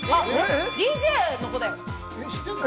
ＤＪの子だよ。